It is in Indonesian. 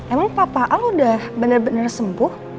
emang papa lo udah bener bener sembuh